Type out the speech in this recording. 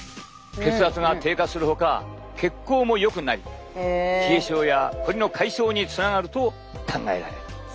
血圧が低下するほか血行もよくなり冷え症やコリの解消につながると考えられる。